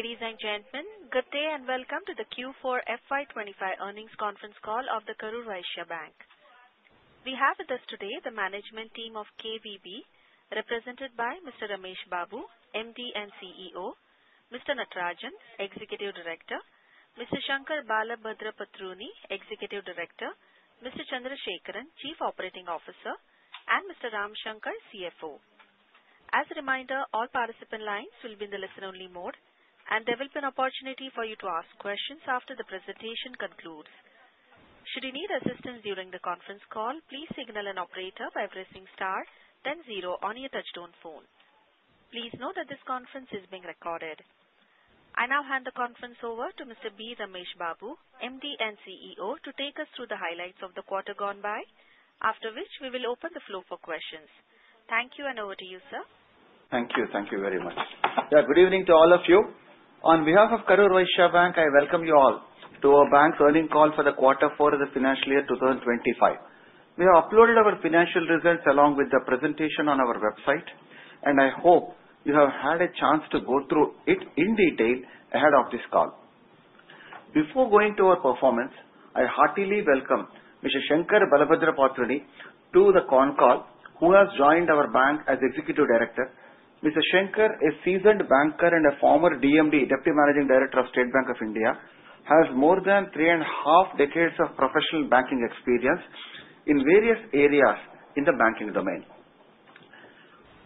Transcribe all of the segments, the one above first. Ladies and gentlemen, good day and welcome to the Q4 FY25 earnings conference call of the Karur Vysya Bank. We have with us today the management team of KVB, represented by Mr. B. Ramesh Babu, MD and CEO, Mr. Natarajan, Executive Director, Mr. Shankara Balabhadrapatruni, Executive Director, Mr. Chandrasekaran, Chief Operating Officer, and Mr. Ramshankar R., CFO. As a reminder, all participant lines will be in the listen-only mode, and there will be an opportunity for you to ask questions after the presentation concludes. Should you need assistance during the conference call, please signal an operator by pressing star then zero on your touch-tone phone. Please note that this conference is being recorded. I now hand the conference over to Mr. B. Ramesh Babu, MD and CEO, to take us through the highlights of the quarter gone by, after which we will open the floor for questions. Thank you, and over to you, sir. Thank you. Thank you very much. Yeah, good evening to all of you. On behalf of Karur Vysya Bank, I welcome you all to our bank's earnings call for the quarter four of the financial year 2025. We have uploaded our financial results along with the presentation on our website, and I hope you have had a chance to go through it in detail ahead of this call. Before going to our performance, I heartily welcome Mr. Shankara Balabhadrapatruni to the conference call, who has joined our bank as Executive Director. Mr. Shankara is a seasoned banker and a former DMD, Deputy Managing Director of State Bank of India, who has more than three and a half decades of professional banking experience in various areas in the banking domain.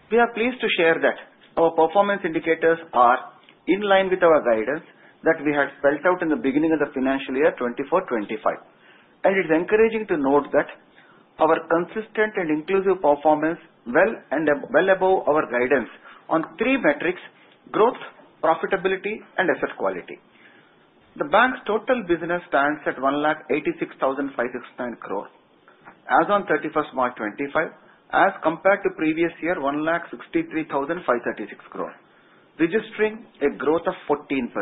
We are pleased to share that our performance indicators are in line with our guidance that we had spelled out in the beginning of the financial year 2024-2025. And it's encouraging to note that our consistent and inclusive performance is well above our guidance on three metrics: growth, profitability, and asset quality. The bank's total business stands at 186,569 crores as of 31st March 2025, as compared to the previous year, 163,536 crores, registering a growth of 14%.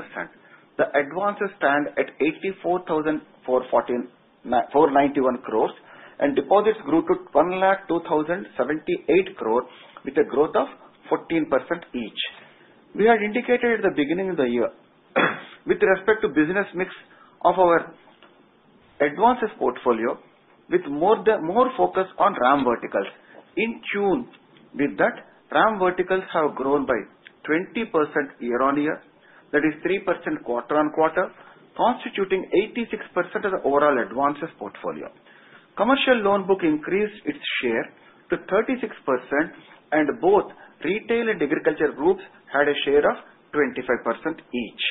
The advances stand at 84,491 crores, and deposits grew to 102,078 crores, with a growth of 14% each. We had indicated at the beginning of the year, with respect to the business mix of our advances portfolio, with more focus on RAM verticals. In tune with that, RAM verticals have grown by 20% year-on-year, that is 3% quarter-on-quarter, constituting 86% of the overall advances portfolio. Commercial loan book increased its share to 36%, and both retail and agriculture groups had a share of 25% each.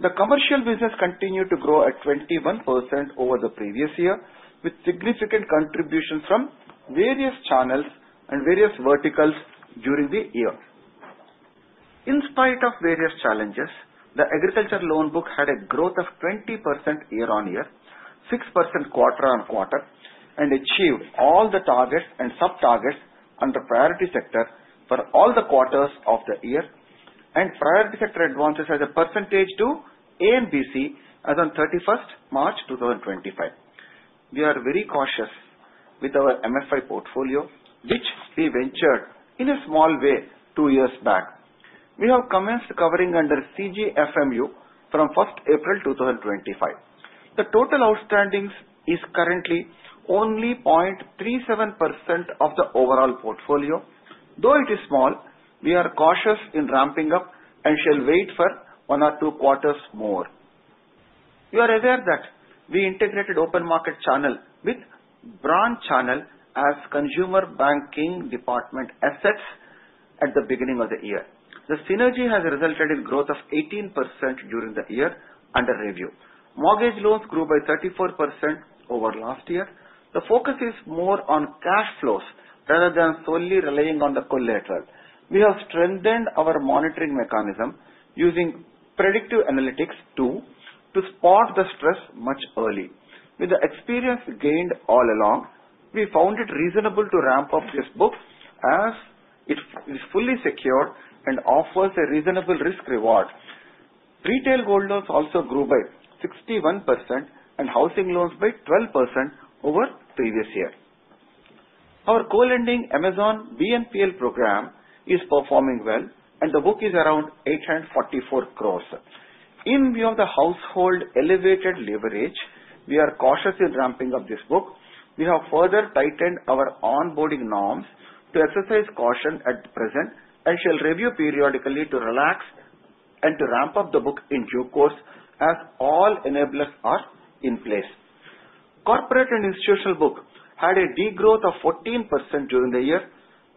The commercial business continued to grow at 21% over the previous year, with significant contributions from various channels and various verticals during the year. In spite of various challenges, the agriculture loan book had a growth of 20% yea-on-year, 6% quarter on quarter, and achieved all the targets and sub-targets under priority sector for all the quarters of the year, and priority sector advances as a percentage to ANBC as of 31st March 2025. We are very cautious with our MFI portfolio, which we ventured in a small way two years back. We have commenced covering under CGFMU from 1st April 2025. The total outstandings are currently only 0.37% of the overall portfolio. Though it is small, we are cautious in ramping up and shall wait for one or two quarters more. We are aware that we integrated the open market channel with the branch channel as consumer banking department assets at the beginning of the year. The synergy has resulted in a growth of 18% during the year under review. Mortgage loans grew by 34% over last year. The focus is more on cash flows rather than solely relying on the collateral. We have strengthened our monitoring mechanism using predictive analytics to spot the stress much earlier. With the experience gained all along, we found it reasonable to ramp up this book as it is fully secured and offers a reasonable risk-reward. Retail gold loans also grew by 61% and housing loans by 12% over the previous year. Our co-lending Amazon BNPL program is performing well, and the book is around 844 crores. In view of the household elevated leverage, we are cautiously ramping up this book. We have further tightened our onboarding norms to exercise caution at present and shall review periodically to relax and to ramp up the book in due course as all enablers are in place. Corporate and institutional book had a degrowth of 14% during the year.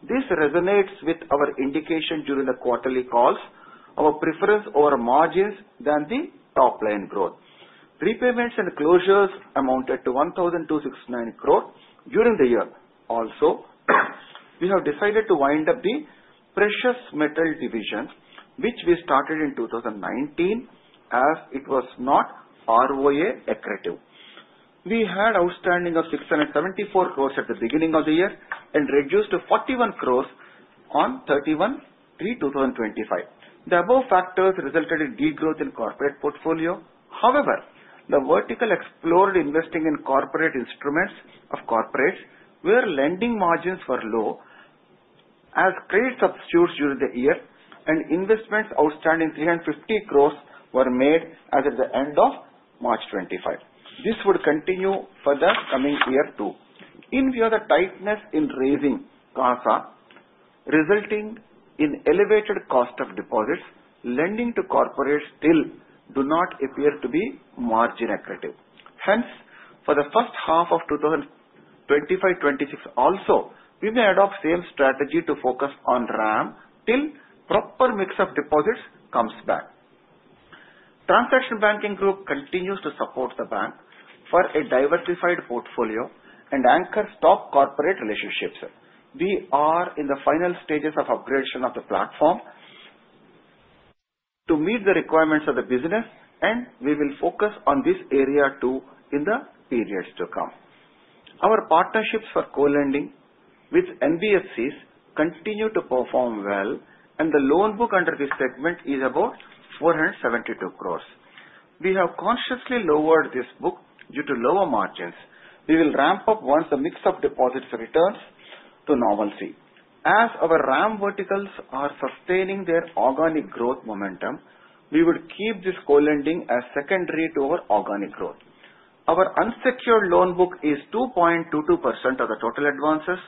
This resonates with our indication during the quarterly calls of a preference over margins than the top-line growth. Repayments and closures amounted to 1,269 crores during the year. Also, we have decided to wind up the precious metal division, which we started in 2019 as it was not ROA accretive. We had an outstanding of 674 crores at the beginning of the year and reduced to 41 crores on 31/03/2025. The above factors resulted in degrowth in the corporate portfolio. However, the vertical explored investing in corporate instruments of corporates where lending margins were low as credit substitutes during the year, and investments outstanding 350 crores were made as of the end of March 2025. This would continue further in the coming year too. In view of the tightness in raising CASA, resulting in elevated cost of deposits, lending to corporates still does not appear to be margin accretive. Hence, for the first half of 2025-2026 also, we may adopt the same strategy to focus on RAM till the proper mix of deposits comes back. Transaction Banking Group continues to support the bank for a diversified portfolio and anchor stock-corporate relationships. We are in the final stages of upgradation of the platform to meet the requirements of the business, and we will focus on this area too in the periods to come. Our partnerships for co-lending with NBFCs continue to perform well, and the loan book under this segment is about 472 crores. We have consciously lowered this book due to lower margins. We will ramp up once the mix of deposits returns to normalcy. As our RAM verticals are sustaining their organic growth momentum, we would keep this co-lending as secondary to our organic growth. Our unsecured loan book is 2.22% of the total advances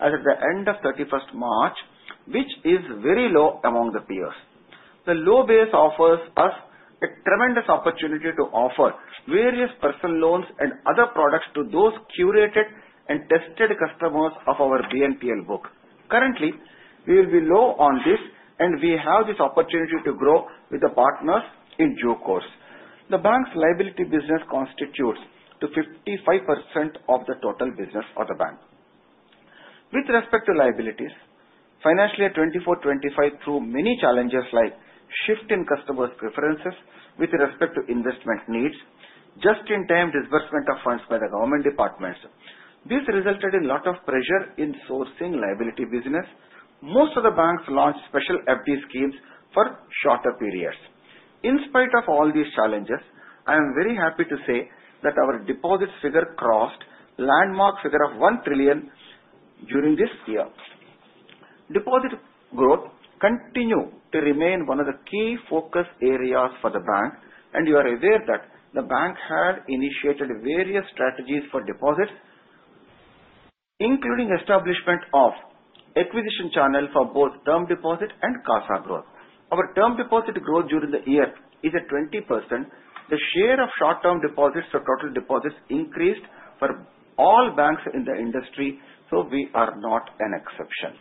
as of the end of 31st March, which is very low among the peers. The low base offers us a tremendous opportunity to offer various personal loans and other products to those curated and tested customers of our BNPL book. Currently, we will be low on this, and we have this opportunity to grow with the partners in due course. The bank's liability business constitutes 55% of the total business of the bank. With respect to liabilities, financial year 2024-2025 threw many challenges like a shift in customers' preferences with respect to investment needs, and just-in-time disbursement of funds by the government departments. This resulted in a lot of pressure in sourcing liability business. Most of the banks launched special FD schemes for shorter periods. In spite of all these challenges, I am very happy to say that our deposits figure crossed the landmark figure of one trillion during this year. Deposit growth continues to remain one of the key focus areas for the bank, and we are aware that the bank had initiated various strategies for deposits, including the establishment of an acquisition channel for both term deposits and CASA growth. Our term deposit growth during the year is at 20%. The share of short-term deposits for total deposits increased for all banks in the industry, so we are not an exception.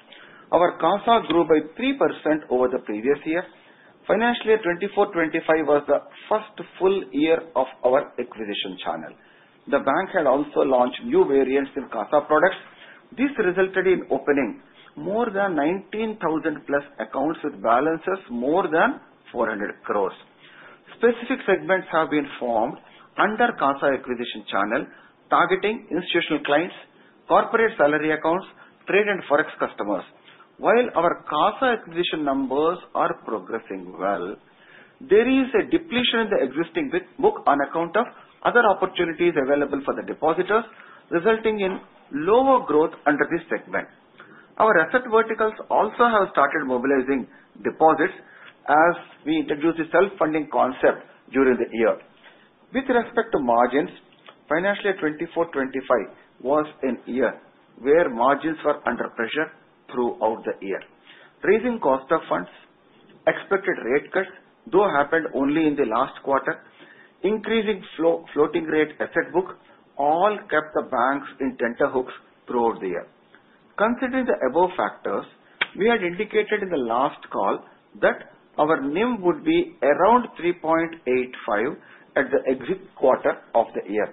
Our CASA grew by 3% over the previous year. Financial year 2024-25 was the first full year of our acquisition channel. The bank had also launched new variants in CASA products. This resulted in opening more than +19,000 accounts with balances of more than 400 crores. Specific segments have been formed under CASA acquisition channel, targeting institutional clients, corporate salary accounts, trade, and forex customers. While our CASA acquisition numbers are progressing well, there is a depletion in the existing book on account of other opportunities available for the depositors, resulting in lower growth under this segment. Our asset verticals also have started mobilizing deposits as we introduced the self-funding concept during the year. With respect to margins, financial year 2024-2025 was a year where margins were under pressure throughout the year. Raising cost of funds, expected rate cuts, though happened only in the last quarter, and increasing floating rate asset book all kept the bank's in tenterhooks throughout the year. Considering the above factors, we had indicated in the last call that our NIM would be around 3.85% at the exit quarter of the year.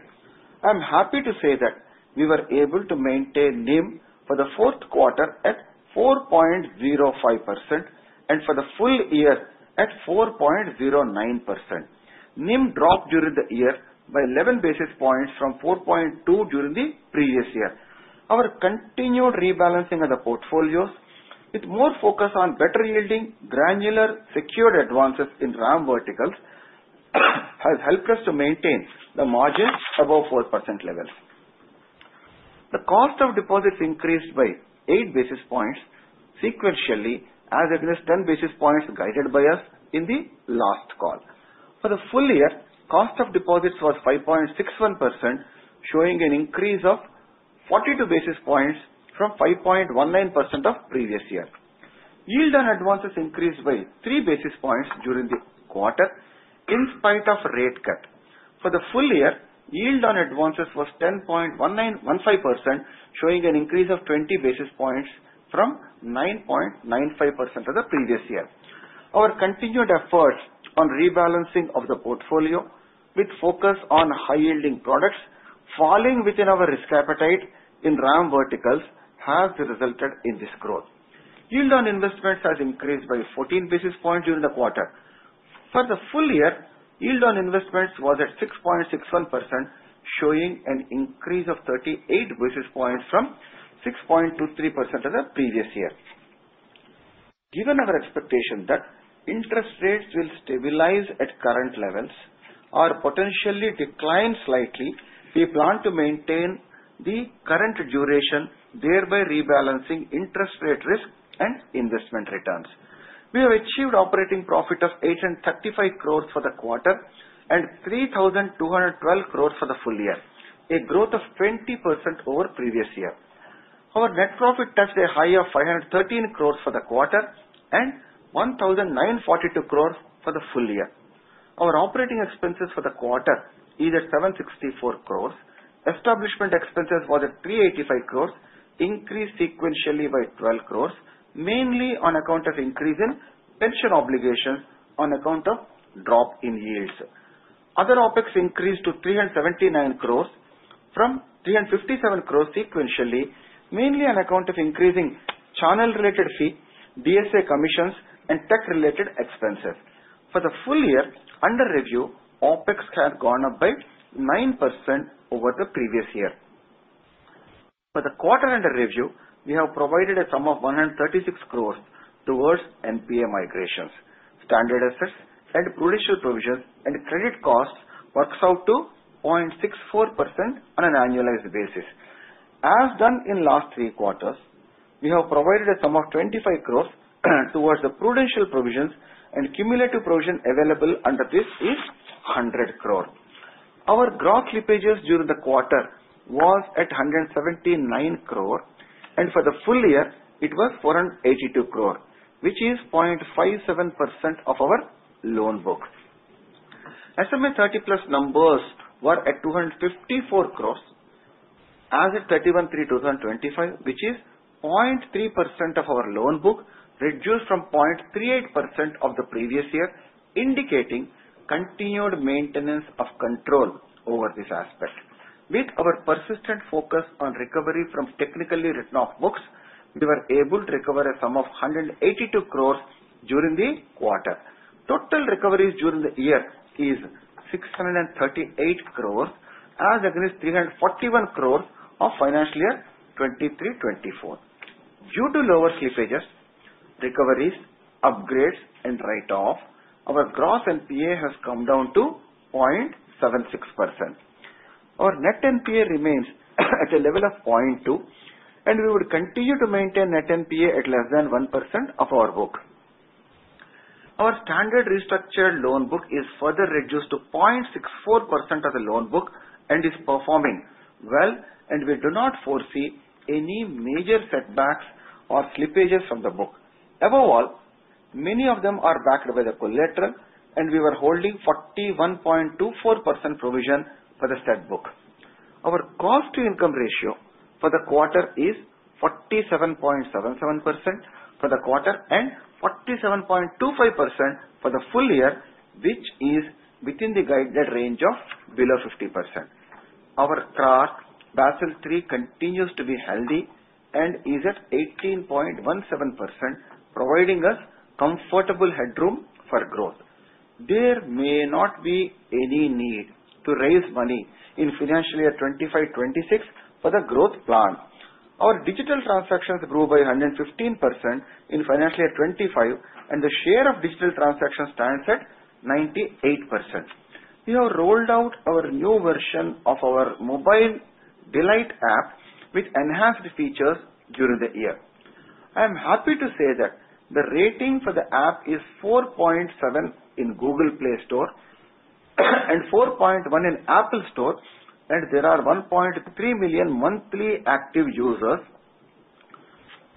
I am happy to say that we were able to maintain NIM for the fourth quarter at 4.05% and for the full year at 4.09%. NIM dropped during the year by 11 basis points from 4.2% during the previous year. Our continued rebalancing of the portfolios, with more focus on better-yielding, granular, secured advances in RAM verticals, has helped us to maintain the margins above 4% levels. The cost of deposits increased by 8 basis points sequentially, as it is 10 basis points guided by us in the last call. For the full year, the cost of deposits was 5.61%, showing an increase of 42 basis points from 5.19% of the previous year. Yield on advances increased by 3 basis points during the quarter in spite of rate cuts. For the full year, yield on advances was 10.15%, showing an increase of 20 basis points from 9.95% of the previous year. Our continued efforts on rebalancing of the portfolio, with focus on high-yielding products, falling within our risk appetite in RAM verticals, have resulted in this growth. Yield on investments has increased by 14 basis points during the quarter. For the full year, yield on investments was at 6.61%, showing an increase of 38 basis points from 6.23% of the previous year. Given our expectation that interest rates will stabilize at current levels or potentially decline slightly, we plan to maintain the current duration, thereby rebalancing interest rate risk and investment returns. We have achieved an operating profit of 835 crores for the quarter and 3,212 crores for the full year, a growth of 20% over the previous year. Our net profit touched a high of 513 crores for the quarter and 1,942 crores for the full year. Our operating expenses for the quarter are at 764 crores. Establishment expenses were at 385 crores, increased sequentially by 12 crores, mainly on account of an increase in pension obligations on account of a drop in yields. Other OPEX increased to 379 crores from 357 crores sequentially, mainly on account of increasing channel-related fees, DSA commissions, and tech-related expenses. For the full year under review, OPEX has gone up by 9% over the previous year. For the quarter under review, we have provided a sum of 136 crores towards NPA migrations, standard assets, and prudential provisions, and credit costs work out to 0.64% on an annualized basis. As done in the last three quarters, we have provided a sum of 25 crores towards the prudential provisions, and the cumulative provision available under this is 100 crores. Our gross slippages during the quarter were at 179 crores, and for the full year, it was 482 crores, which is 0.57% of our loan book. SMA 30+ numbers were at 254 crores as of 31/03/2025, which is 0.3% of our loan book, reduced from 0.38% of the previous year, indicating continued maintenance of control over this aspect. With our persistent focus on recovery from technically written-off books, we were able to recover a sum of 182 crores during the quarter. Total recoveries during the year are 638 crores, as against 341 crores of financial year 2023-2024. Due to lower slippages, recoveries, upgrades, and write-offs, our gross NPA has come down to 0.76%. Our net NPA remains at a level of 0.2%, and we would continue to maintain net NPA at less than 1% of our book. Our standard restructured loan book is further reduced to 0.64% of the loan book and is performing well, and we do not foresee any major setbacks or slippages from the book. Above all, many of them are backed by the collateral, and we were holding 41.24% provision for the standard book. Our cost-to-income ratio for the quarter is 47.77% for the quarter and 47.25% for the full year, which is within the guided range of below 50%. Our CRAR Basel III continues to be healthy and is at 18.17%, providing us comfortable headroom for growth. There may not be any need to raise money in financial year 2025-2026 for the growth plan. Our digital transactions grew by 115% in financial year 2025, and the share of digital transactions stands at 98%. We have rolled out our new version of our mobile DLite app with enhanced features during the year. I am happy to say that the rating for the app is 4.7 in Google Play Store and 4.1 in App Store, and there are 1.3 million monthly active users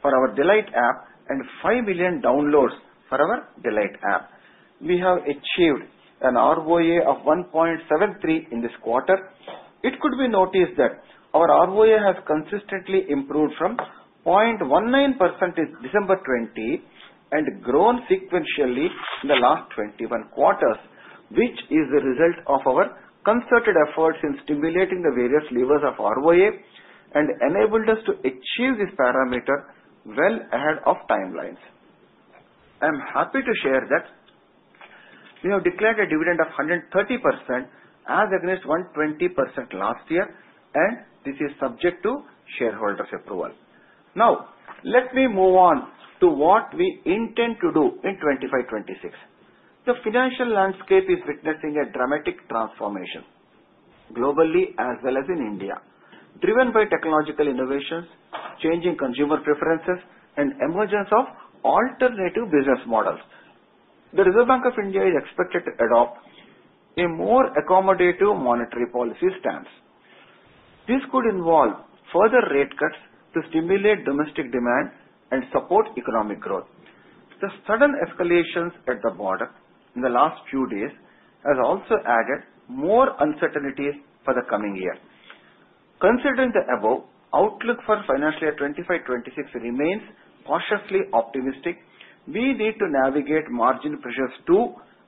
for our DLite app and 5 million downloads for our DLite app. We have achieved an ROA of 1.73 in this quarter. It could be noticed that our ROA has consistently improved from 0.19% in December 2020 and grown sequentially in the last 21 quarters, which is the result of our concerted efforts in stimulating the various levers of ROA and enabled us to achieve this parameter well ahead of timelines. I am happy to share that we have declared a dividend of 130% as agreed with 120% last year, and this is subject to shareholders' approval. Now, let me move on to what we intend to do in 2025-2026. The financial landscape is witnessing a dramatic transformation globally as well as in India, driven by technological innovations, changing consumer preferences, and the emergence of alternative business models. The Reserve Bank of India is expected to adopt a more accommodative monetary policy stance. This could involve further rate cuts to stimulate domestic demand and support economic growth. The sudden escalations at the border in the last few days have also added more uncertainty for the coming year. Considering the above, the outlook for financial year 2025-2026 remains cautiously optimistic. We need to navigate margin pressures too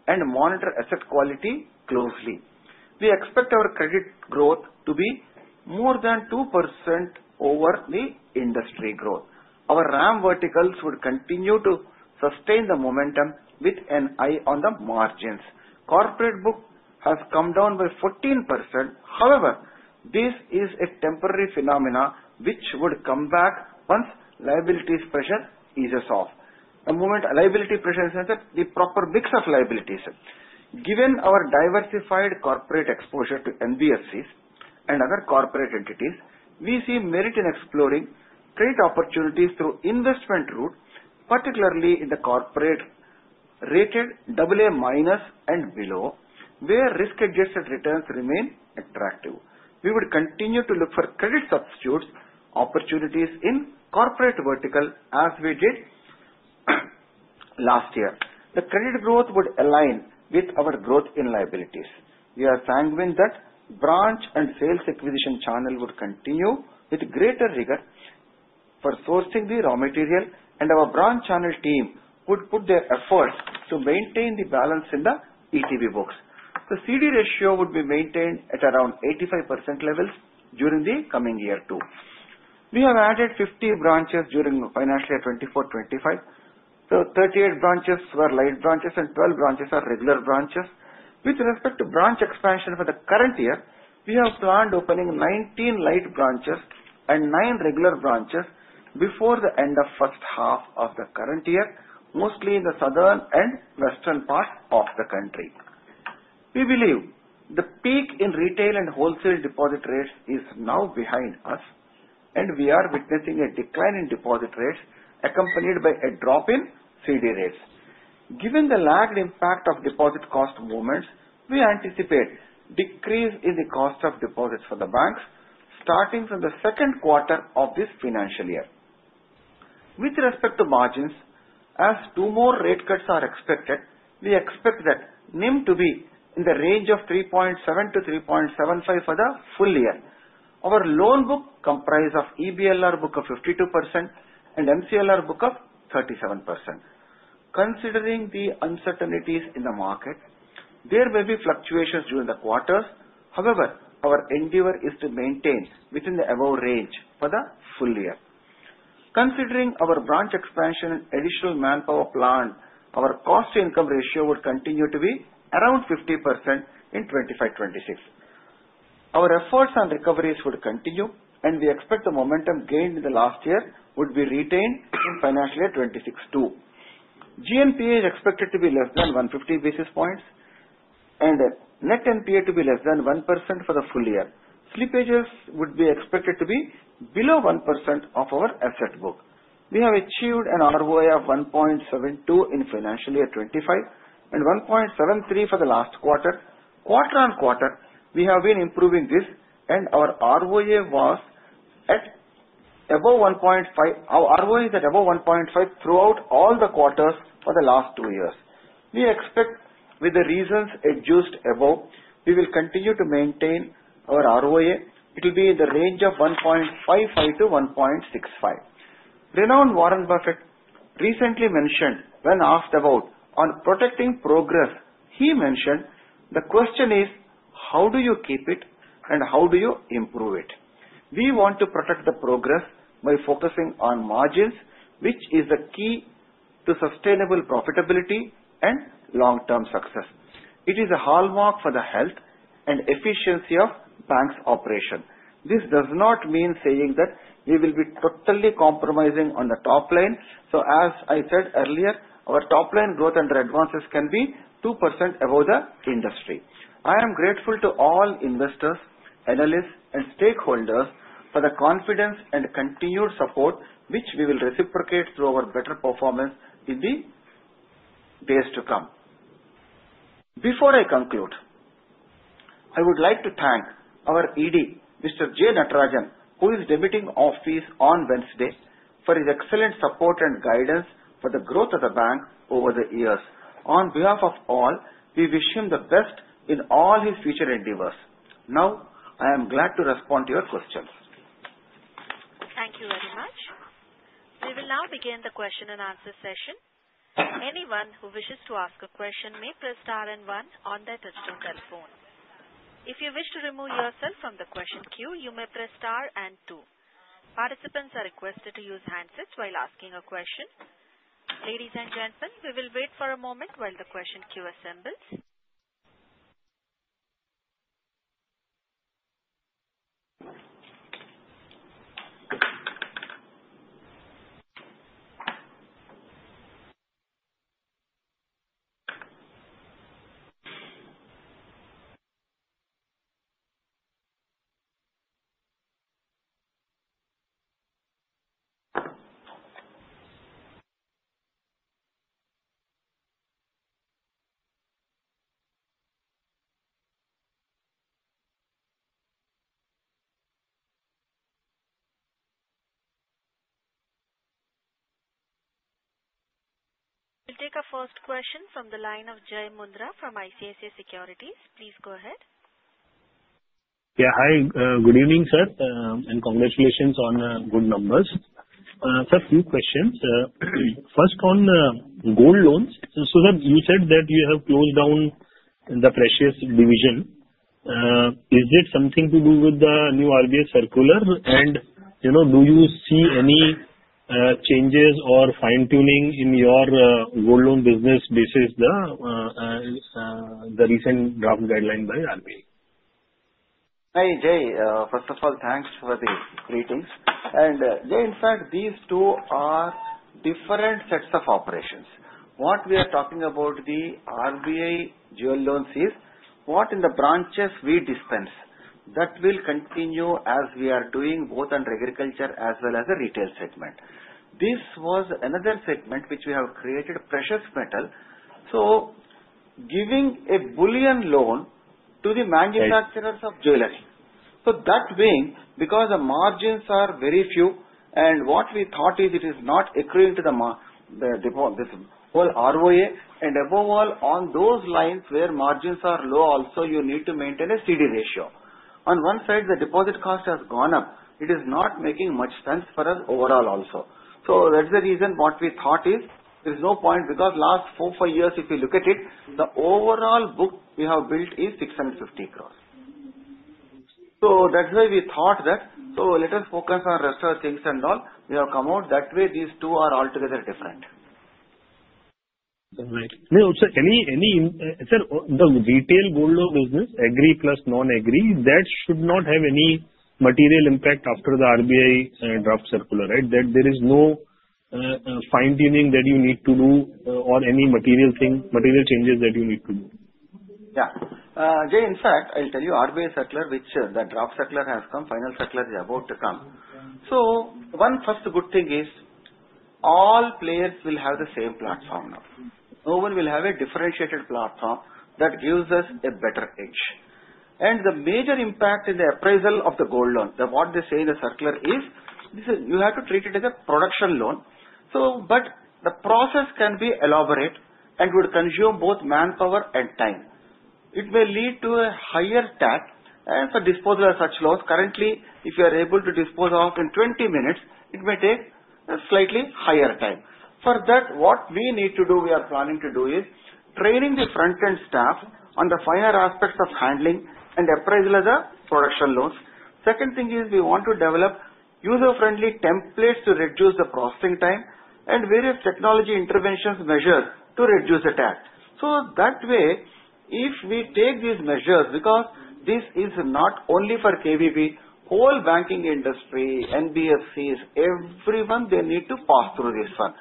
and monitor asset quality closely. We expect our credit growth to be more than 2% over the industry growth. Our RAM verticals would continue to sustain the momentum with an eye on the margins. Corporate book has come down by 14%. However, this is a temporary phenomenon which would come back once liabilities pressure eases off. The moment liability pressure is, the proper mix of liabilities. Given our diversified corporate exposure to NBFCs and other corporate entities, we see merit in exploring credit opportunities through the investment route, particularly in the corporate-rated AA- and below, where risk-adjusted returns remain attractive. We would continue to look for credit substitute opportunities in the corporate vertical as we did last year. The credit growth would align with our growth in liabilities. We are sanguine that the branch and sales acquisition channel would continue with greater rigor for sourcing the raw material, and our branch channel team would put their efforts to maintain the balance in the ETB books. The CD ratio would be maintained at around 85% levels during the coming year too. We have added 50 branches during financial year 2024-2025. The 38 branches were Lite branches, and 12 branches are regular branches. With respect to branch expansion for the current year, we have planned opening 19 Lite branches and nine regular branches before the end of the first half of the current year, mostly in the southern and western parts of the country. We believe the peak in retail and wholesale deposit rates is now behind us, and we are witnessing a decline in deposit rates accompanied by a drop in CD rates. Given the lagged impact of deposit cost movements, we anticipate a decrease in the cost of deposits for the banks starting from the second quarter of this financial year. With respect to margins, as two more rate cuts are expected, we expect that NIM to be in the range of 3.7%-3.75% for the full year. Our loan book comprises an EBLR book of 52% and an MCLR book of 37%. Considering the uncertainties in the market, there may be fluctuations during the quarters. However, our endeavor is to maintain within the above range for the full year. Considering our branch expansion and additional manpower planned, our cost-to-income ratio would continue to be around 50% in 2025-2026. Our efforts on recoveries would continue, and we expect the momentum gained in the last year would be retained in financial year 26 too. GNPA is expected to be less than 150 basis points and net NPA to be less than 1% for the full year. Slippages would be expected to be below 1% of our asset book. We have achieved an ROA of 1.72 in financial year 25 and 1.73 for the last quarter. Quarter on quarter, we have been improving this, and our ROA was above 1.5%. Our ROA is at above 1.5% throughout all the quarters for the last two years. We expect, with the reasons cited above, we will continue to maintain our ROA. It will be in the range of 1.55 - 1.65. Renowned Warren Buffett recently mentioned, when asked about protecting progress, he mentioned, "The question is, how do you keep it, and how do you improve it?" We want to protect the progress by focusing on margins, which is the key to sustainable profitability and long-term success. It is a hallmark for the health and efficiency of the bank's operation. This does not mean saying that we will be totally compromising on the top line. So, as I said earlier, our top line growth under advances can be 2% above the industry. I am grateful to all investors, analysts, and stakeholders for the confidence and continued support, which we will reciprocate through our better performance in the days to come. Before I conclude, I would like to thank our ED, Mr. J. Natarajan. Natarajan, who is retiring from office on Wednesday, for his excellent support and guidance for the growth of the bank over the years. On behalf of all, we wish him the best in all his future endeavors. Now, I am glad to respond to your questions. Thank you very much. We will now begin the question and answer session. Anyone who wishes to ask a question may press star and one on their touch-tone telephone. If you wish to remove yourself from the question queue, you may press star and two. Participants are requested to use handsets while asking a question. Ladies and gentlemen, we will wait for a moment while the question queue assembles. We'll take a first question from the line of Jai Mundhra from ICICI Securities. Please go ahead. Yeah, hi. Good evening, sir, and congratulations on good numbers. Sir, a few questions. First, on gold loans, so sir, you said that you have closed down the precious division. Is it something to do with the new RBI circular? And do you see any changes or fine-tuning in your gold loan business based on the recent draft guideline by RBI? Hi Jay, first of all, thanks for the greetings. And Jay, in fact, these two are different sets of operations. What we are talking about, the RBI jewel loans, is what in the branches we dispense that will continue as we are doing both under agriculture as well as the retail segment. This was another segment which we have created precious metal. So, giving a bullion loan to the manufacturers of jewelry. That being [said], because the margins are very few, and what we thought is it is not accruing to the whole ROA, and above all, on those lines where margins are low, also you need to maintain a CD ratio. On one side, the deposit cost has gone up. It is not making much sense for us overall also. That's the reason what we thought is there is no point because last four, five years, if you look at it, the overall book we have built is 650 crores. That's why we thought that. Let us focus on the rest of the things and all. We have come out that way. These two are altogether different. No, sir, any retail gold loan business, agri-plus non-agri, that should not have any material impact after the RBI draft circular, right? That there is no fine-tuning that you need to do or any material changes that you need to do. Yeah. Jai, in fact, I'll tell you, RBI circular, which the draft circular has come, final circular is about to come. So one first good thing is all players will have the same platform now. No one will have a differentiated platform that gives us a better edge. And the major impact in the appraisal of the gold loan, what they say in the circular is you have to treat it as a production loan. But the process can be elaborate and would consume both manpower and time. It may lead to a higher tax. And for disposal of such loans, currently, if you are able to dispose of in 20 minutes, it may take a slightly higher time. For that, what we need to do, we are planning to do is training the front-end staff on the finer aspects of handling and appraisal of the production loans. Second thing is we want to develop user-friendly templates to reduce the processing time and various technology intervention measures to reduce the TAT. So that way, if we take these measures, because this is not only for KVB, the whole banking industry, NBFCs, everyone, they need to pass through this one.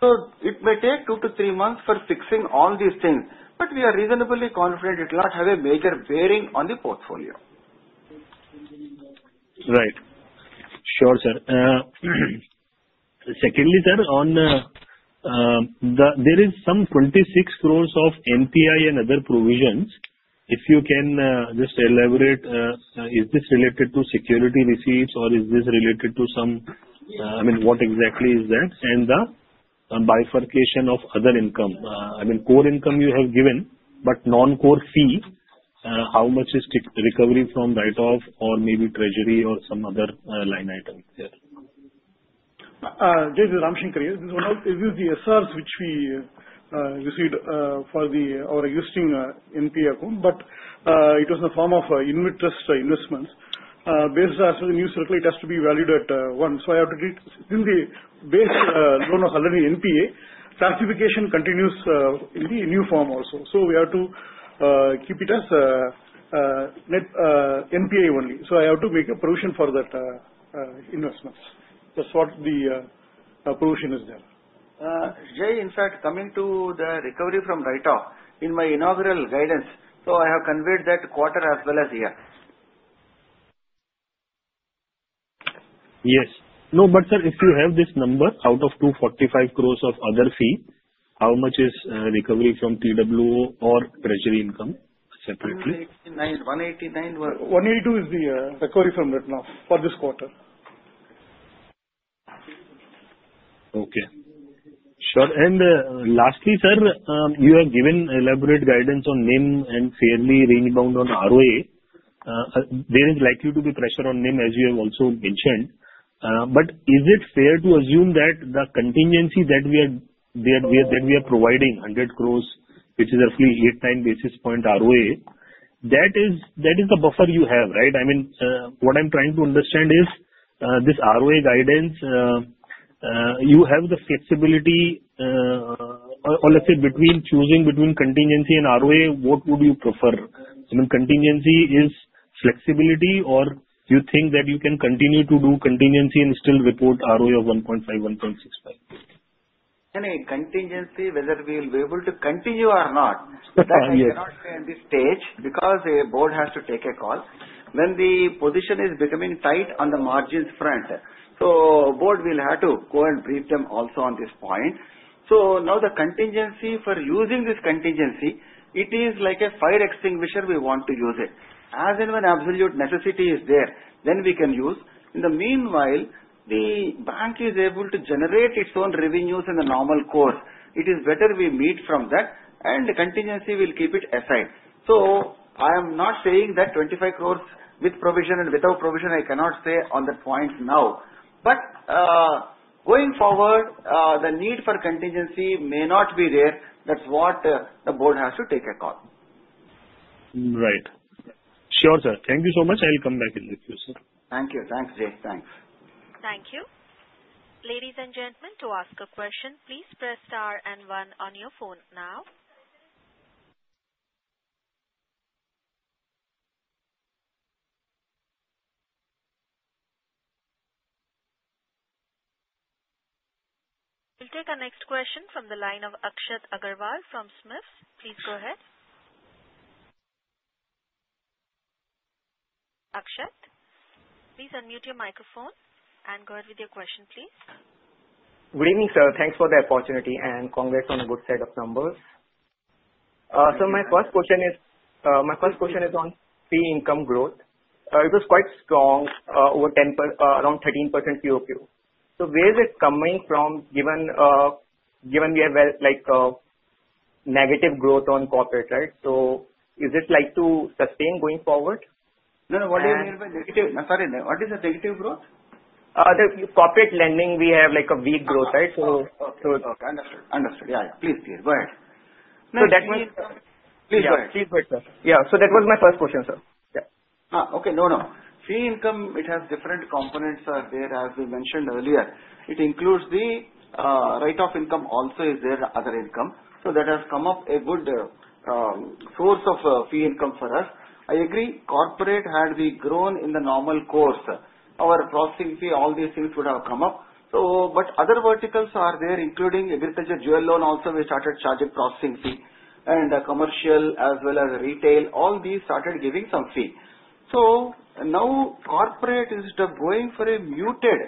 So it may take two to three months for fixing all these things. But we are reasonably confident it will not have a major bearing on the portfolio. Right. Sure, sir. Secondly, sir, there is some 26 crores of NPA and other provisions. If you can just elaborate, is this related to security receipts or is this related to some, I mean, what exactly is that? The bifurcation of other income. I mean, core income you have given, but non-core fee, how much is recovery from write-off or maybe treasury or some other line item there? Jai, this is Ramesh Ankar. This is the assets which we received for our existing NPA account, but it was in the form of interest investments. Based on the new circular, it has to be valued at one. So I have to treat it in the base loan of NPA. Classification continues in the new form also. So we have to keep it as NPA only. So I have to make a provision for that investments. That's what the provision is there. Jay, in fact, coming to the recovery from write-off in my inaugural guidance, so I have conveyed that quarter as well as year. Yes. No, but sir, if you have this number out of 245 crores of other fee, how much is recovery from TWO or treasury income separately? 189. 189. 182 is the recovery from write-off for this quarter. Okay. Sure. And lastly, sir, you have given elaborate guidance on NIM and fairly rangebound on ROA. There is likely to be pressure on NIM, as you have also mentioned. But is it fair to assume that the contingency that we are providing, 100 crores, which is roughly 89 basis point ROA, that is the buffer you have, right? I mean, what I'm trying to understand is this ROA guidance, you have the flexibility, or let's say between choosing between contingency and ROA, what would you prefer? I mean, contingency is flexibility, or you think that you can continue to do contingency and still report ROA of 1.5, 1.65? Contingency, whether we will be able to continue or not, that I cannot say at this stage because a board has to take a call. When the position is becoming tight on the margins front, so the board will have to go and brief them also on this point. So now the contingency for using this contingency, it is like a fire extinguisher we want to use it. As in when absolute necessity is there, then we can use. In the meanwhile, the bank is able to generate its own revenues in the normal course. It is better we meet from that, and the contingency will keep it aside. So I am not saying that 25 crores with provision and without provision, I cannot say on that point now. But going forward, the need for contingency may not be there. That's what the board has to take a call. Right. Sure, sir. Thank you so much. I'll come back and meet you, sir. Thank you. Thanks, Jay. Thanks. Thank you. Ladies and gentlemen, to ask a question, please press star and one on your phone now. We'll take a next question from the line of Akshat Agarwal from SMIFS. Please go ahead. Akshath, please unmute your microphone and go ahead with your question, please. Good evening, sir. Thanks for the opportunity and congrats on a good set of numbers. So my first question is, my first question is on fee income growth. It was quite strong, around 13% QOQ. So where is it coming from given we have negative growth on corporate, right? So is it likely to sustain going forward? No, no. What do you mean by negative? Sorry, what is the negative growth? Corporate lending, we have a weak growth, right? So. Okay. Okay. Understood. Understood. Yeah, yeah. No, no. Fee income, it has different components, sir. There, as we mentioned earlier, it includes the write-off income also is there, other income. So that has come up a good source of fee income for us. I agree. Corporate had we grown in the normal course, our processing fee, all these things would have come up, but other verticals are there, including agriculture, jewel loan also, we started charging processing fee, and commercial as well as retail, all these started giving some fee, so now corporate is going for a muted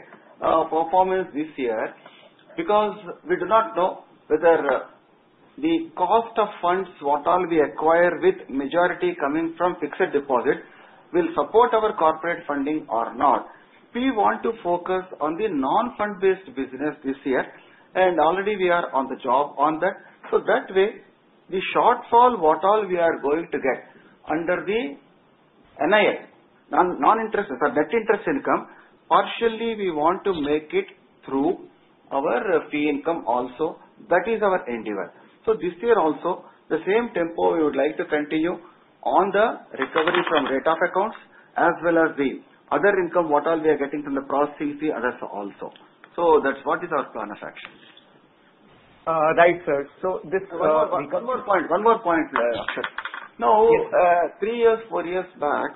performance this year because we do not know whether the cost of funds, what all we acquire with majority coming from fixed deposit, will support our corporate funding or not. We want to focus on the non-fund-based business this year, and already we are on the job on that. That way, the shortfall, what all we are going to get under the NII, non-interest, sorry, net interest income, partially we want to make it through our fee income also. That is our endeavor. This year also, the same tempo, we would like to continue on the recovery from write-off accounts as well as the other income, what all we are getting from the processing fee and the rest also. That's what is our plan of action. Right, sir. So this. One more point. One more point, Akshath. Now, three years, four years back,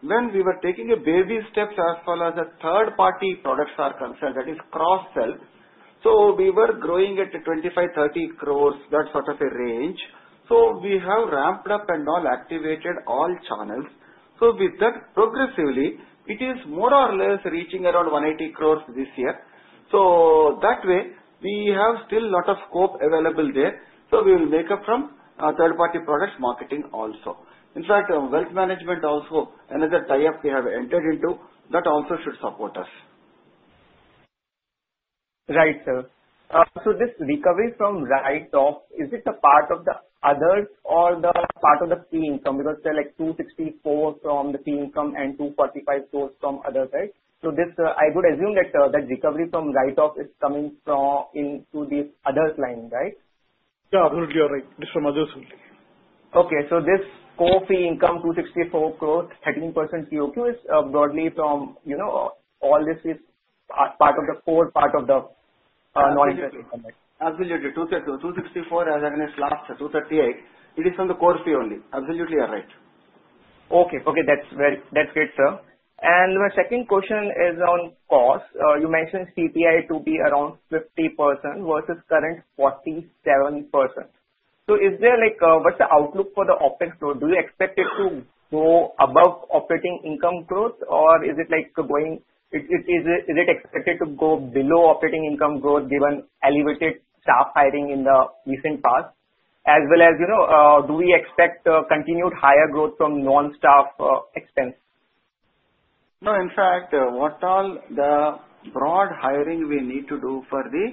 when we were taking a baby step as far as a third-party products are concerned, that is cross-sell. We were growing at 25-30 crores, that sort of a range. So we have ramped up and now activated all channels. So with that, progressively, it is more or less reaching around 180 crores this year. So that way, we have still a lot of scope available there. So we will make up from third-party products marketing also. In fact, wealth management also, another tie-up we have entered into, that also should support us. Right, sir. So this recovery from write-off, is it a part of the others or the part of the fee income? Because there are like 264 crores from the fee income and 245 crores from others, right? So I would assume that that recovery from write-off is coming from into the others line, right? Yeah, absolutely. You're right. It's from others only. Okay. So this core fee income, 264 crores, 13% QOQ is broadly from all this is part of the core part of the non-interest income, right? Absolutely. 264 as against last 238, it is from the core fee only. Absolutely, you're right. Okay. Okay. That's great, sir. And my second question is on cost. You mentioned C/I to be around 50% versus current 47%. So, what's the outlook for the OPEX growth? Do you expect it to go above operating income growth, or is it expected to go below operating income growth given elevated staff hiring in the recent past? As well as, do we expect continued higher growth from non-staff expense? No, in fact, all the branch hiring we need to do for the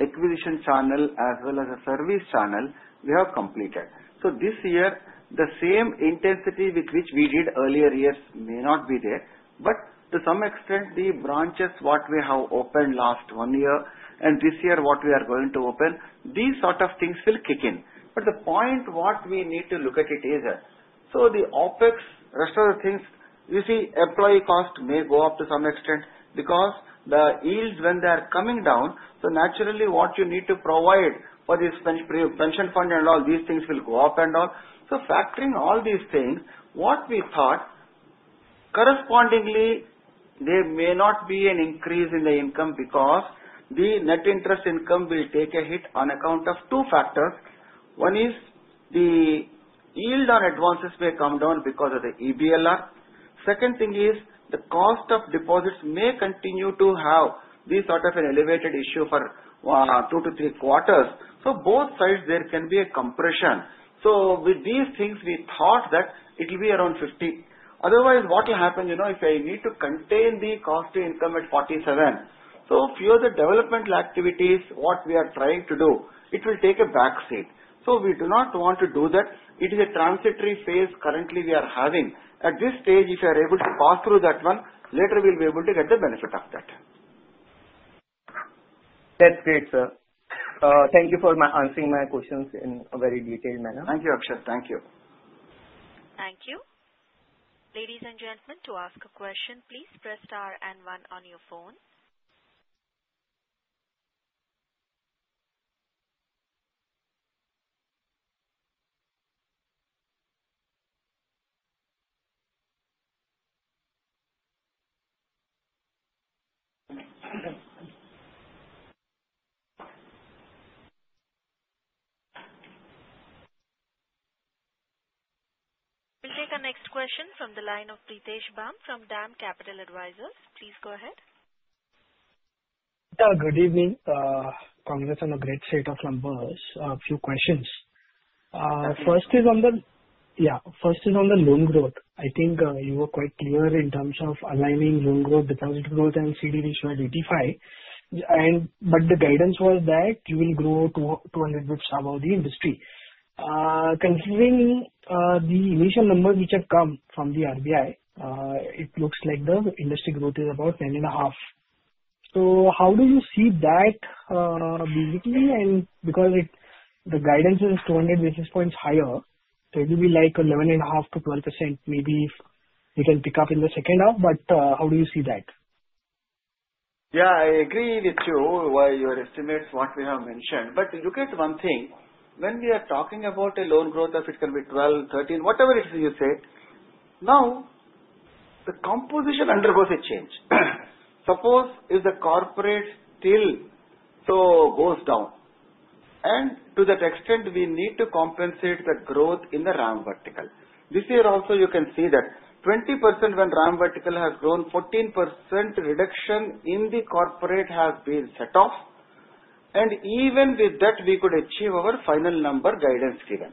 acquisition channel as well as the service channel, we have completed. So this year, the same intensity with which we did earlier years may not be there. But to some extent, the branches what we have opened last one year and this year what we are going to open, these sort of things will kick in. But the point what we need to look at it is, so the optics, rest of the things, you see, employee cost may go up to some extent because the yields when they are coming down, so naturally what you need to provide for this pension fund and all these things will go up and all. So factoring all these things, what we thought correspondingly, there may not be an increase in the income because the net interest income will take a hit on account of two factors. One is the yield on advances may come down because of the EBLR. Second thing is the cost of deposits may continue to have this sort of an elevated issue for two to three quarters. So both sides, there can be a compression. So with these things, we thought that it will be around 50. Otherwise, what will happen if I need to contain the cost to income at 47? So few of the developmental activities what we are trying to do, it will take a back seat. So we do not want to do that. It is a transitory phase currently we are having. At this stage, if you are able to pass through that one, later we'll be able to get the benefit of that. That's great, sir. Thank you for answering my questions in a very detailed manner. Thank you, Akshath. Thank you. Thank you. Ladies and gentlemen, to ask a question, please press star and one on your phone. We'll take the next question from the line of Pritesh Bumb from DAM Capital Advisors. Please go ahead. Good evening. Congrats on a great set of numbers, a few questions. First is on the loan growth. I think you were quite clear in terms of aligning loan growth, deposit growth, and CD ratio at 95%. But the guidance was that you will grow 200 basis points above the industry. Considering the initial numbers which have come from the RBI, it looks like the industry growth is about 10.5%. So how do you see that, basically? And because the guidance is 200 basis points higher, so it will be like 11.5%-12%, maybe we can pick up in the second half. But how do you see that? Yeah, I agree with you with your estimates what we have mentioned. But look at one thing. When we are talking about a loan growth, if it can be 12, 13, whatever it is you say, now the composition undergoes a change. Suppose if the corporate still goes down. And to that extent, we need to compensate the growth in the RAM vertical. This year also, you can see that 20% when RAM vertical has grown, 14% reduction in the corporate has been set off. And even with that, we could achieve our final number guidance given.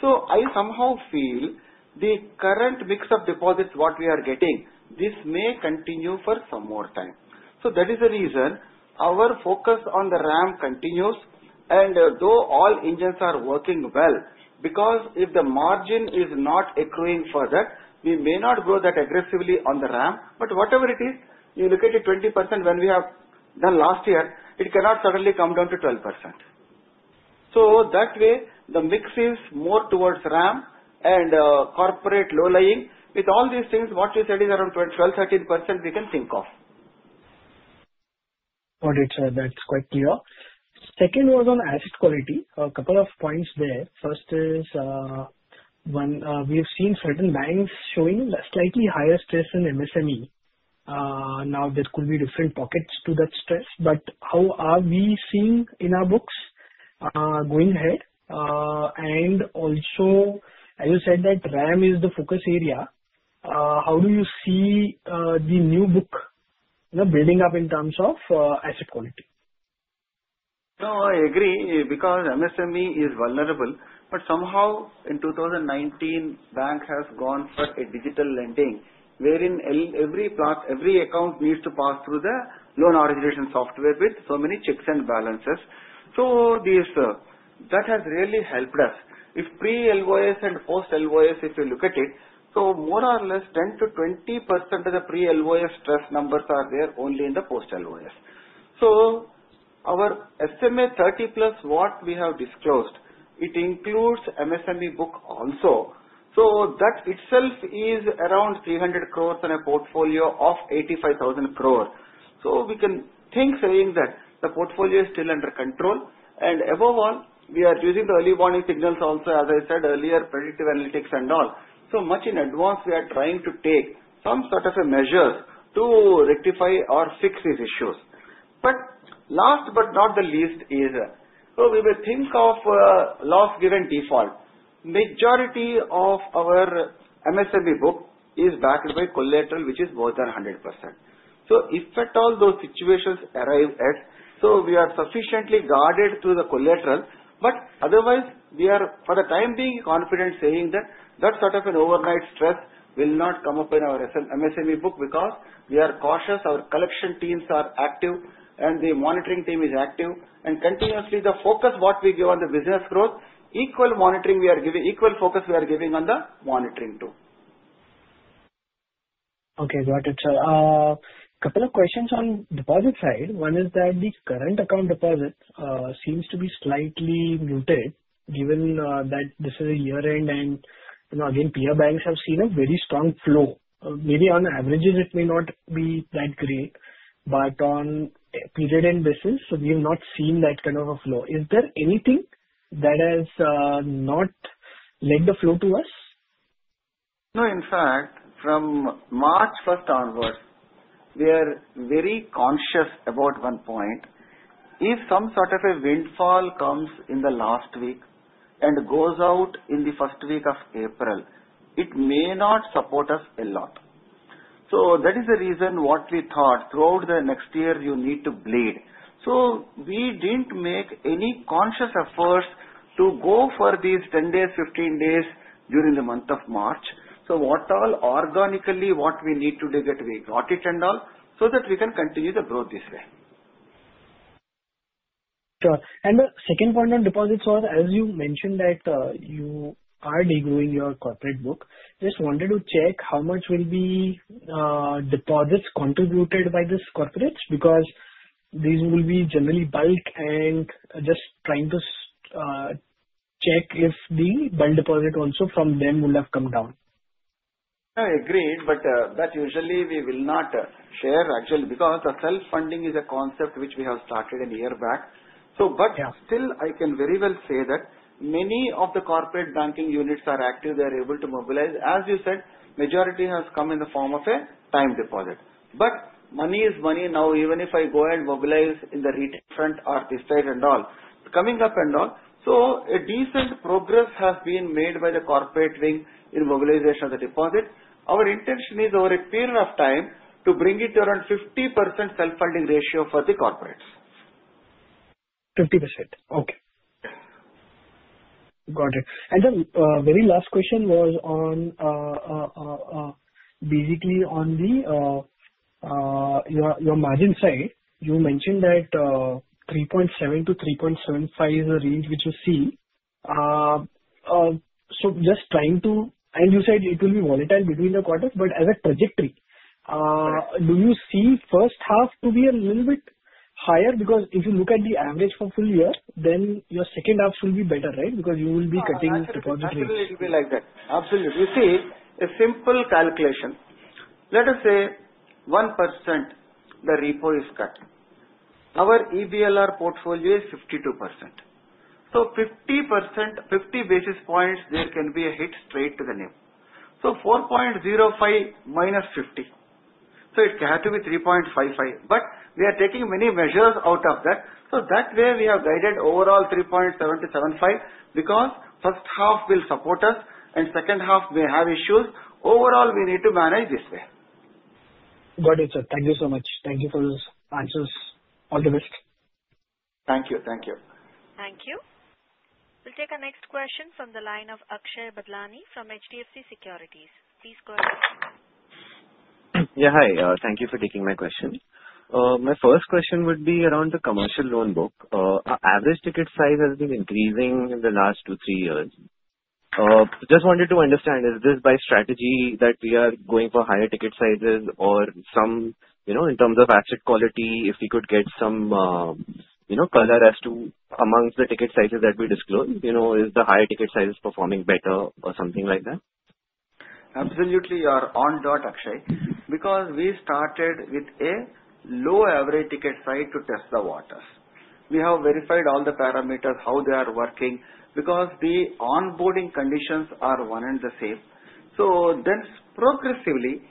So I somehow feel the current mix of deposits what we are getting, this may continue for some more time. So that is the reason our focus on the RAM continues. And though all engines are working well, because if the margin is not accruing further, we may not grow that aggressively on the RAM. But whatever it is, you look at the 20% when we have done last year. It cannot suddenly come down to 12%. So that way, the mix is more towards RAM and corporate low-lying. With all these things, what you said is around 12%-13% we can think of. Got it, sir. That's quite clear. Second was on asset quality. A couple of points there. First is when we have seen certain banks showing a slightly higher stress in MSME. Now, there could be different pockets to that stress. But how are we seeing in our books going ahead? And also, as you said, that RAM is the focus area. How do you see the new book building up in terms of asset quality? No, I agree because MSME is vulnerable. But somehow, in 2019, the bank has gone for a digital lending, wherein every account needs to pass through the loan origination software with so many checks and balances. So that has really helped us. If pre-LOS and post-LOS, if you look at it, so more or less 10%-20% of the pre-LOS stress numbers are there only in the post-LOS. So our estimate 30 plus what we have disclosed, it includes MSME book also. So that itself is around 300 crores and a portfolio of 85,000 crores. So we can think saying that the portfolio is still under control. And above all, we are using the early warning signals also, as I said earlier, predictive analytics and all. So much in advance, we are trying to take some sort of a measures to rectify or fix these issues. But, last but not the least, so we will think of loss given default. Majority of our MSME book is backed by collateral, which is more than 100%. So if at all those situations arise as. So we are sufficiently guarded through the collateral. But otherwise, we are, for the time being, confident saying that that sort of an overnight stress will not come up in our MSME book because we are cautious. Our collection teams are active, and the monitoring team is active. And continuously, the focus what we give on the business growth, equal monitoring we are giving, equal focus we are giving on the monitoring too. Okay. Got it, sir. A couple of questions on deposit side. One is that the current account deposit seems to be slightly muted given that this is a year-end. And again, peer banks have seen a very strong flow. Maybe on averages, it may not be that great. But on a period-end basis, we have not seen that kind of a flow. Is there anything that has not led the flow to us? No, in fact, from March 1st onwards, we are very conscious about one point. If some sort of a windfall comes in the last week and goes out in the first week of April, it may not support us a lot. So that is the reason what we thought throughout the next year you need to bleed. So we didn't make any conscious efforts to go for these 10 days, 15 days during the month of March. So what all organically what we need to get we got it and all so that we can continue the growth this way. Sure. The second point on deposits was, as you mentioned that you are degrowing your corporate book, just wanted to check how much will be deposits contributed by these corporates because these will be generally bulk and just trying to check if the bulk deposit also from them will have come down. I agree. But that usually we will not share, actually, because the self-funding is a concept which we have started a year back. But still, I can very well say that many of the corporate banking units are active. They are able to mobilize. As you said, majority has come in the form of a time deposit. But money is money now. Even if I go and mobilize in the retail front or this side and all, coming up and all. So a decent progress has been made by the corporate wing in mobilization of the deposit. Our intention is over a period of time to bring it to around 50% self-funding ratio for the corporates. 50%. Okay. Got it. And the very last question was basically on your margin side. You mentioned that 3.7%-3.75% is the range which you see. So just trying to, and you said it will be volatile between the quarters. But as a trajectory, do you see first half to be a little bit higher? Because if you look at the average for full year, then your second half should be better, right? Because you will be cutting deposit rates. Absolutely. It will be like that. Absolutely. You see, a simple calculation. Let us say 1% the repo is cut. Our EBLR portfolio is 52%. So 50 basis points, there can be a hit straight to the NIM. So 4.05% minus 50. So it can have to be 3.55%. But we are taking many measures out of that. So that way, we have guided overall 3.775 because first half will support us and second half may have issues. Overall, we need to manage this way. Got it, sir. Thank you so much. Thank you for those answers. All the best. Thank you. Thank you. Thank you. We'll take a next question from the line of Akshay Badlani from HDFC Securities. Please go ahead. Yeah. Hi. Thank you for taking my question. My first question would be around the commercial loan book. Average ticket size has been increasing in the last two, three years. Just wanted to understand, is this by strategy that we are going for higher ticket sizes or something in terms of asset quality, if we could get some color as to among the ticket sizes that we disclose, is the higher ticket size performing better or something like that? Absolutely. You are on point, Akshay, because we started with a low average ticket size to test the waters. We have verified all the parameters, how they are working, because the onboarding conditions are one and the same. So then progressively,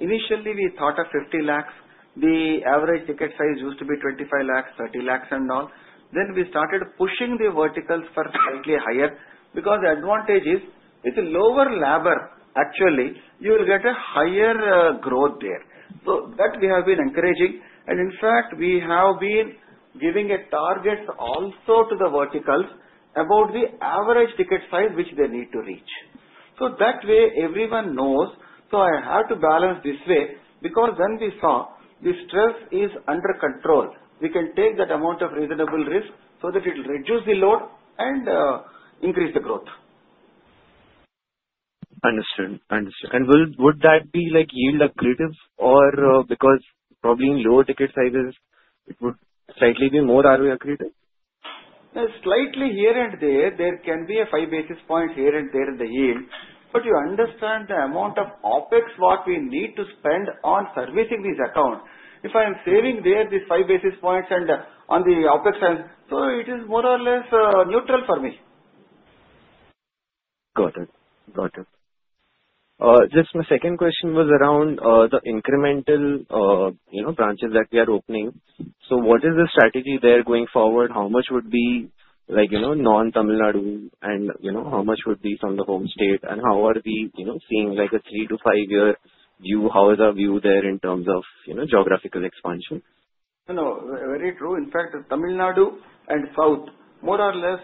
initially, we thought of 50 lakhs. The average ticket size used to be 25 lakhs, 30 lakhs and all. Then we started pushing the verticals for slightly higher because the advantage is with lower LTV, actually, you will get a higher growth there. So that we have been encouraging. In fact, we have been giving targets also to the verticals about the average ticket size which they need to reach. That way, everyone knows. I have to balance this way because then we saw the stress is under control. We can take that amount of reasonable risk so that it will reduce the load and increase the growth. Understood. Understood. Would that be yield accretive or because probably in lower ticket sizes, it would slightly be more ROE accretive? Slightly here and there. There can be a five basis points here and there in the yield. But you understand the amount of OPEX what we need to spend on servicing these accounts. If I'm saving there these five basis points and on the OPEX. It is more or less neutral for me. Got it. Got it. Just my second question was around the incremental branches that we are opening. So what is the strategy there going forward? How much would be non-Tamil Nadu and how much would be from the home state? And how are we seeing a three to five-year view? How is our view there in terms of geographical expansion? No, very true. In fact, Tamil Nadu and South, more or less,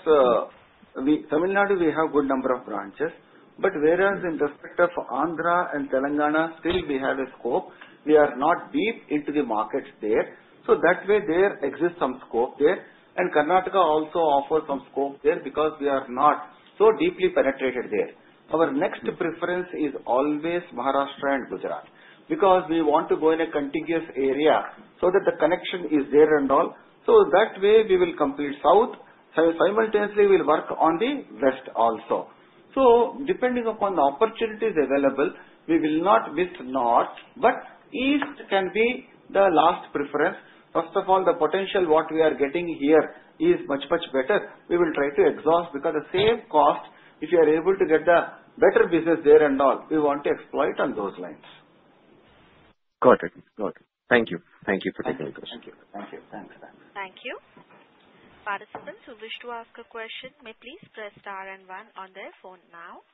Tamil Nadu, we have a good number of branches. But whereas in respect of Andhra and Telangana, still we have a scope. We are not deep into the markets there. So that way, there exists some scope there. And Karnataka also offers some scope there because we are not so deeply penetrated there. Our next preference is always Maharashtra and Gujarat because we want to go in a contiguous area so that the connection is there and all. So that way, we will complete South. Simultaneously, we will work on the West also. So depending upon the opportunities available, we will not miss North. But East can be the last preference. First of all, the potential what we are getting here is much, much better. We will try to exhaust because the same cost, if you are able to get the better business there and all, we want to exploit on those lines. Got it. Got it. Thank you. Thank you for taking the question. Thank you. Thank you. Thanks. Thanks. Thank you. Participants who wish to ask a question, may please press star and one on their phone now.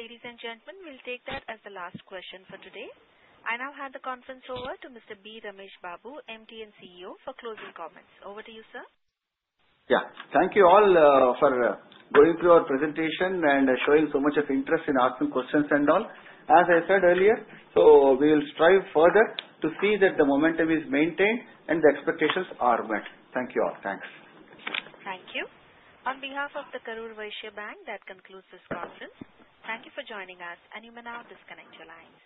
Ladies and gentlemen, we'll take that as the last question for today. I now hand the conference over to Mr. B. Ramesh Babu, MD and CEO, for closing comments. Over to you, sir. Yeah. Thank you all for going through our presentation and showing so much interest in asking questions and all. As I said earlier, so we will strive further to see that the momentum is maintained and the expectations are met. Thank you all. Thanks. Thank you. On behalf of the Karur Vysya Bank, that concludes this conference. Thank you for joining us, and you may now disconnect your lines.